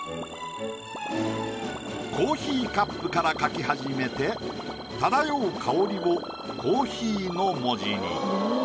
コーヒーカップから描きはじめて漂う香りを「ｃｏｆｆｅｅ」の文字に。